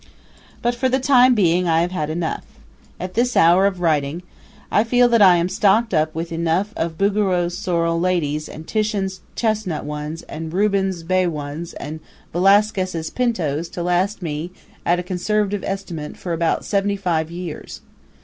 But for the time being I have had enough. At this hour of writing I feel that I am stocked up with enough of Bouguereau's sorrel ladies and Titian's chestnut ones and Rubens' bay ones and Velasquez's pintos to last me, at a conservative estimate, for about seventy five years.